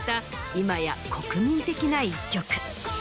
今や国民的な１曲。